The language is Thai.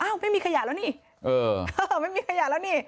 ไม่มีขยะแล้วนี่ไม่มีขยะแล้วนี่